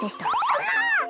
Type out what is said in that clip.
そんな！